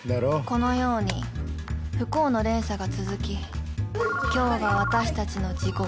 ［このように不幸の連鎖が続き今日が私たちの地獄］